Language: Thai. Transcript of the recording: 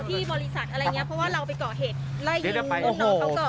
ที่บริษัทอะไรอย่างนี้เพราะว่าเราไปก่อเหตุไล่ยิงรุ่นน้องเขาก่อน